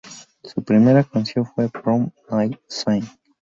Su primera canción fue 'Prom Night Sync'.